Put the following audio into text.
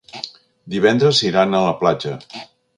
Divendres iran a la platja.